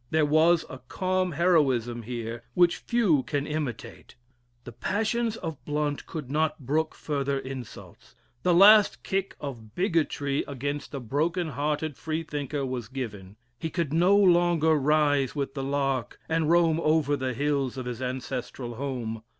There was a calm heroism here which few can imitate. The passions of Blount could not brook further insults. The last kick of bigotry against the broken hearted Freethinker was given. He could no longer rise with the lark, and roam over the hills of his ancestral home.